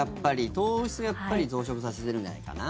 糖質がやっぱり増殖させてるんじゃないかな？